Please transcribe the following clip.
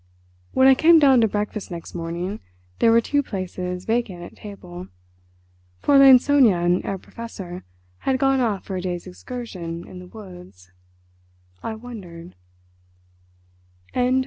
When I came down to breakfast next morning there were two places vacant at table. Fräulein Sonia and Herr Professor had gone off for a day's excursion in the woods.